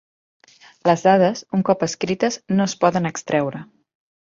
Les dades, un cop escrites, no es poden extraure.